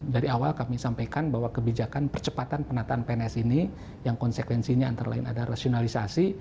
dari awal kami sampaikan bahwa kebijakan percepatan penataan pns ini yang konsekuensinya antara lain ada rasionalisasi